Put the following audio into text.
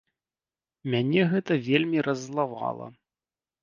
Мяне гэта вельмі раззлавала.